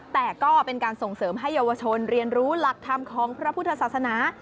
แต่ก็เป็นการส่งเสริมให้เยาวชนเรียนรู้หลักธรรมของพระพุทธศาสนา